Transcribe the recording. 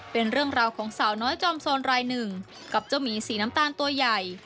เป็นเรื่องราวของสาวน้อยจอมโซนรายหนึ่งกับเจ้าหมีสีน้ำตาลตัวใหญ่